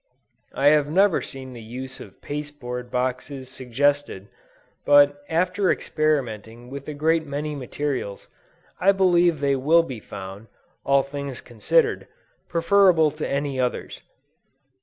I have never seen the use of pasteboard boxes suggested, but after experimenting with a great many materials, I believe they will be found, all things considered, preferable to any others.